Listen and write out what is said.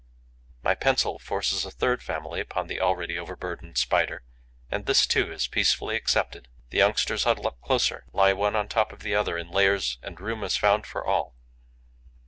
My pencil forces a third family upon the already overburdened Spider; and this too is peacefully accepted. The youngsters huddle up closer, lie one on top of the other in layers and room is found for all.